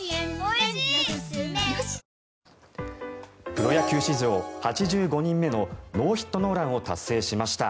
プロ野球史上８５人目のノーヒット・ノーランを達成しました。